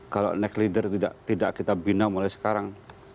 kalau neck leader tidak kita bina mulai sekarang